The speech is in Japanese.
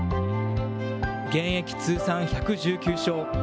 現役通算１１９勝。